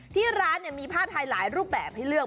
ที่ร้านมีผ้าไทยหลายรูปแบบให้เลือก